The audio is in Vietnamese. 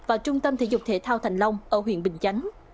đặc biệt là trung tâm thể dục thể thao thành long ở huyện bình chánh